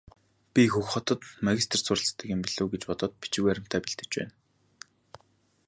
Би Хөх хотод магистрт суралцдаг юм билүү гэж бодоод бичиг баримтаа бэлдэж байна.